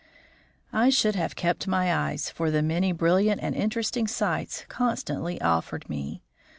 I should have kept my eyes for the many brilliant and interesting sights constantly offered me.